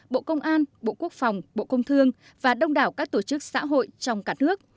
bộ công an bộ quốc phòng bộ công thương và đông đảo các tổ chức xã hội trong cả nước